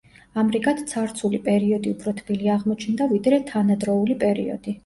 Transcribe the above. ამრიგად ცარცული პერიოდი უფრო თბილი აღმოჩნდა ვიდრე თანადროული პერიოდი.